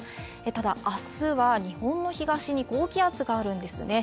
ただ、明日は日本の東に高気圧があるんですね。